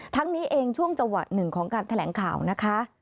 นี้เองช่วงจังหวะหนึ่งของการแถลงข่าวนะคะ